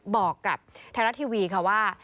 บอกกับไทยรัฐทีวีค่ะว่า